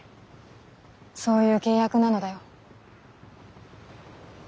そういう契約なのだよ。